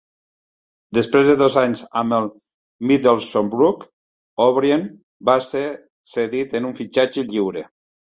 Després de dos anys amb el Middlesbrough, O'Brien va ser cedit en un fitxatge lliure.